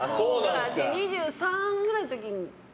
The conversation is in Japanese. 私、２３ぐらいの時に。